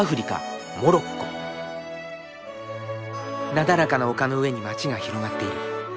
なだらかな丘の上に街が広がっている。